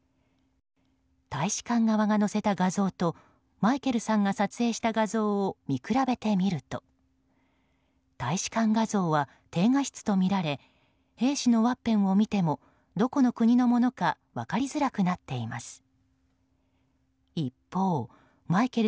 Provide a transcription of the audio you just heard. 大使館側が載せた画像とマイケルさんが撮影した画像を見比べてみると大使館画像は、低画質とみられ兵士のワッペンを見てもどこの国のものか分かりづらくなっています。